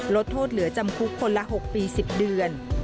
ลดโทษเหลือจำคุกคนละ๖ปี๑๐เดือน